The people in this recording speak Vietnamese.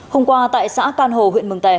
hôm qua tại xã can hồ huyện mường tè